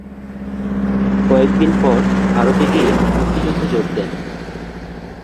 কয়েক দিন পর ভারতে গিয়ে মুক্তিযুদ্ধে যোগ দেন।